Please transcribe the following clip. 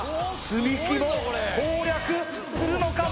積み木も攻略するのか？